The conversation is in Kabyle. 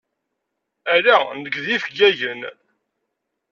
Ala nekk d yifeggagen.